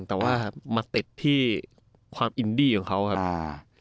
แต่ว่ามาติดที่ความอินดี้ของเขาครับอ่า